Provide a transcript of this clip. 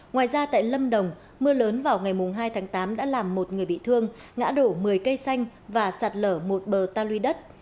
ngoài ra tại lâm đồng mưa lớn vào ngày hai tháng tám đã làm một người bị thương ngã đổ một mươi cây xanh và sạt lở một bờ ta luy đất